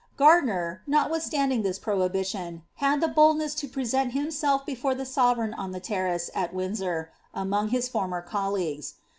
Gardiner, notwithstanding this prohibition^ had the boldnefl to present himself before the sovereigrn on the terrace at WindsoTt among his former colleagues.